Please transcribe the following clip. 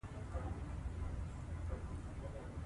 او نور چارواکي بې طرفانه